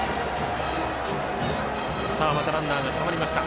またランナーがたまりました。